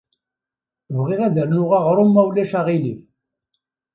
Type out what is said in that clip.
Bɣiɣ ad rnuɣ aɣrum ma ulac aɣilif.